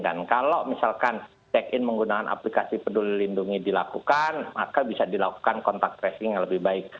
dan kalau misalkan check in menggunakan aplikasi peduli lindungi dilakukan maka bisa dilakukan kontak tracing yang lebih baik